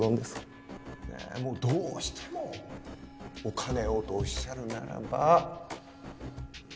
どうしてもお金をとおっしゃるならば。